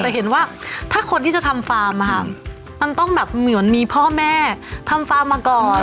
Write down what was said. แต่เห็นว่าถ้าคนที่จะทำฟาร์มมันต้องแบบเหมือนมีพ่อแม่ทำฟาร์มมาก่อน